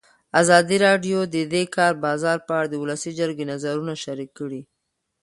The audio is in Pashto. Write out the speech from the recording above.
ازادي راډیو د د کار بازار په اړه د ولسي جرګې نظرونه شریک کړي.